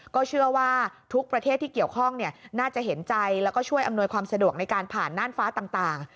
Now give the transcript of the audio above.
ก็เชื่อว่าทุกประเทศที่เกี่ยวข้องน่าจะเห็นใจแล้วก็ช่วยอำนวยความสะดวกในการผ่านน่านฟ้าต่าง